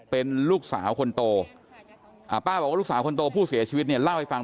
เป็นลูกสาวคนโตอ่าป้าบอกว่าลูกสาวคนโตผู้เสียชีวิตเนี่ยเล่าให้ฟัง